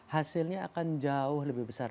hasilnya akan jauh lebih besar